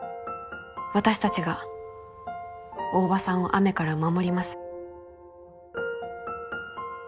「私達が大庭さんを雨から守ります」